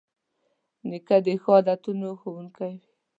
نیکه د ښو عادتونو ښوونکی وي.